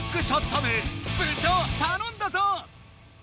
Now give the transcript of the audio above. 部長たのんだぞ！